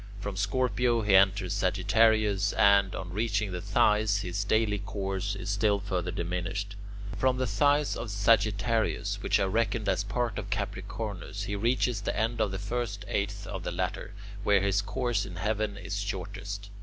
From Scorpio he enters Sagittarius and, on reaching the thighs, his daily course is still further diminished. From the thighs of Sagittarius, which are reckoned as part of Capricornus, he reaches the end of the first eighth of the latter, where his course in heaven is shortest.